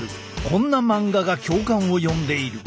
こんな漫画が共感を呼んでいる。